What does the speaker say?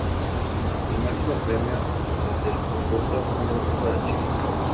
El máximo premio del concurso: un robot para Chile.